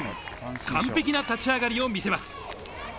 完璧な立ち上がりを見せます。